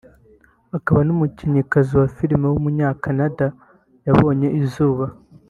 akaba n’umukinnyikazi wa film w’umunyacanada yabonye izuba